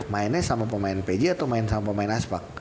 mainnya sama pemain pj atau main sama pemain aspak